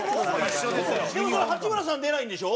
でもその八村さん出ないんでしょ？